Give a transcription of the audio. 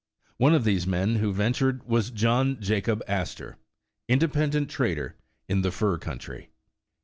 One of these men who ventured was John Jacob Astor, independent trader in the fur country.